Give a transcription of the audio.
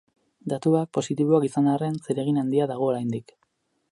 Datuak positiboak izan arren, zeregin handia dago oraindik.